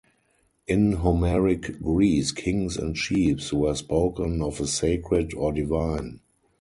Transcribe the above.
In Homeric Greece kings and chiefs were spoken of as sacred or divine.